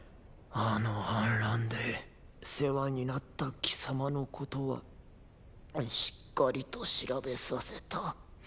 あの反乱で世話になった貴様のことはしっかりと調べさせた。